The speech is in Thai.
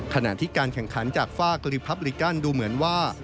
ขณะที่การแข่งขันจากฝ้ากรีพับลิกันดูเหมือนว่า